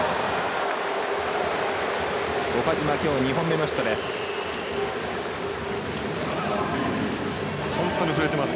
岡島、きょう２本目のヒットです。